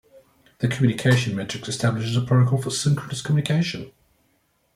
The "communication matrix" establishes a protocol for synchronous communication.